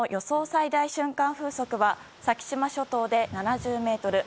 最大瞬間風速は先島諸島で７０メートル。